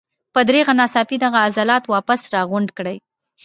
پۀ ذريعه ناڅاپي دغه عضلات واپس راغونډ کړي